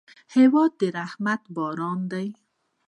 هېواد د رحمت باران دی.